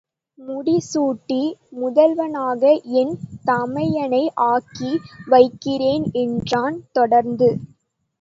முடி சூட்டி முதல்வனாக என் தமையனை ஆக்கி வைக்கிறேன் என்றான் தொடர்ந்து.